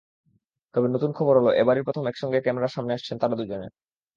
তবে নতুন খবর হলো, এবারই প্রথম একসঙ্গে ক্যামেরার সামনে আসছেন তাঁরা দুজন।